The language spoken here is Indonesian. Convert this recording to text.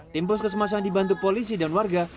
tim puskesmas yang dibantu polisi dan warga